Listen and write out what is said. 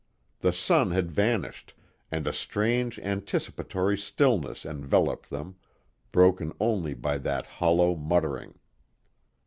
The sun had vanished, and a strange, anticipatory stillness enveloped them, broken only by that hollow muttering.